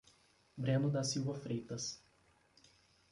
Breno da Silva Freitas